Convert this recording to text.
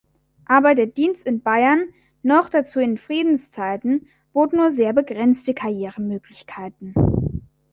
Aber der Dienst in Bayern, noch dazu in Friedenszeiten, bot nur sehr begrenzte Karrieremöglichkeiten.